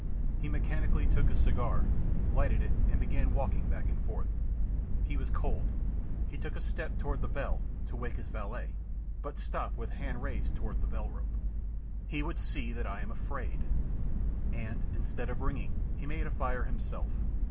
He mechanically took a cigar, lighted it, and began walking back and forth. He was cold; he took a step toward the bell, to wake his valet, but stopped with hand raised toward the bell rope. "He would see that I am afraid!" And, instead of ringing, he made a fire himself.